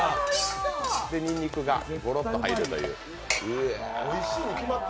で、にんにくがごろっと入るという。